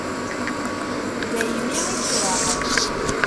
Daymi i ffreɣ.